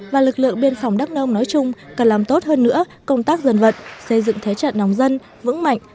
và lực lượng biên phòng đắk nông nói chung cần làm tốt hơn nữa công tác dân vận xây dựng thế trận lòng dân vững mạnh